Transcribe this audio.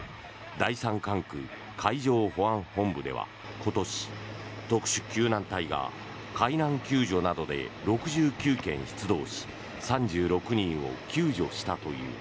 第三管区海上保安本部では今年、特殊救難隊が海難救助などで６９件出動し３６人を救助したという。